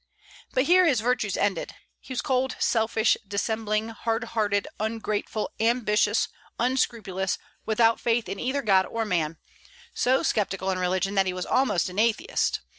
But here his virtues ended. He was cold, selfish, dissembling, hard hearted, ungrateful, ambitious, unscrupulous, without faith in either God or man; so sceptical in religion that he was almost an atheist.